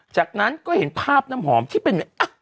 จากนั้นก็เห็นภาพน้ำหอมที่เป็น